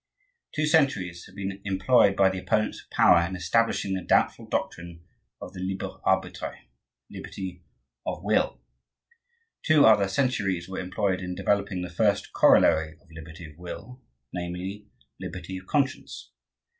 Two centuries have been employed by the opponents of power in establishing the doubtful doctrine of the libre arbitre,—liberty of will. Two other centuries were employed in developing the first corollary of liberty of will, namely, liberty of conscience.